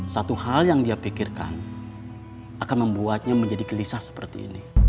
satu hal yang dia pikirkan akan membuatnya menjadi gelisah seperti ini